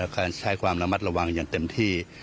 การใช้ความระมัดระวังอย่างเต็มที่